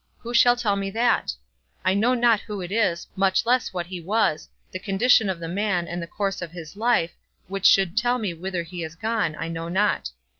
Who shall tell me that? I know not who it is, much less what he was, the condition of the man, and the course of his life, which should tell me whither he is gone, I know not.